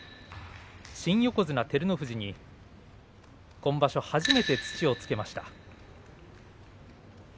新横綱照ノ富士に今場所初めて土をつけました。